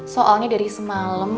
soalnya dari semalam